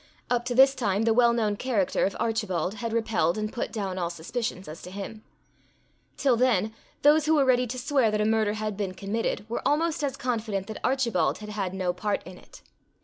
Up to this time the well known character of Archibald had repelled and put down all suspicions as to him. Till then, those who were ready to swear that a murder had been committed, were almost as confident that Archibald had had no part in it.